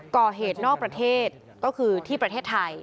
ก่อเหตุนอกประเทศก็คือที่ประเทศไทย